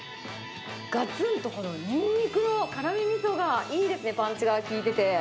がつんと、このニンニクの辛みみそがいいですね、パンチが効いてて。